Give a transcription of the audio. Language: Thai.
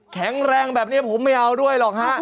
แข็งแรงแบบนี้ผมไม่เอาด้วยหรอกฮะ